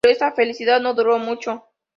Pero esta felicidad no duró mucho.